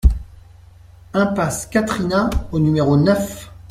Impasse Quatrina au numéro neuf